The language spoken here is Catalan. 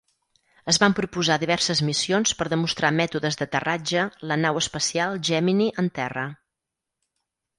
Es van proposar diverses missions per demostrar mètodes d'aterratge la nau espacial Gemini en terra.